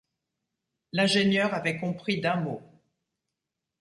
L’ingénieur avait compris d’un mot.